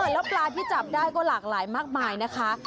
แล้วปลาที่จับได้ก็หลากหลายมากมายนะคะ